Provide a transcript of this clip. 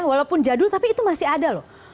walaupun jadul tapi itu masih ada loh